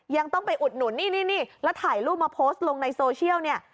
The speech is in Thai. ยังต้องไปอุดหนุนนี่นี่แล้วถ่ายรูปมาโพสต์ลงในโซเชียลเนี่ย